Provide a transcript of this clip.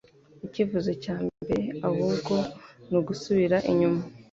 icyifuzo cya bamwe ahubwo nugusubira inyuma